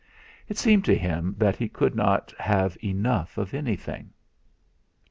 It seemed to him that he could not have enough of anything.